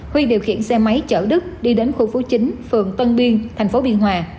huy điều khiển xe máy chở đức đi đến khu phố chín phường tân biên thành phố biên hòa